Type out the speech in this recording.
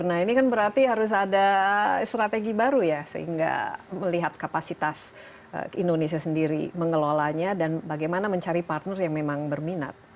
nah ini kan berarti harus ada strategi baru ya sehingga melihat kapasitas indonesia sendiri mengelolanya dan bagaimana mencari partner yang memang berminat